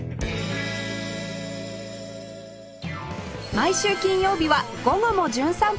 毎週金曜日は『午後もじゅん散歩』